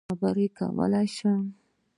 ایا زه اوس خبرې کولی شم؟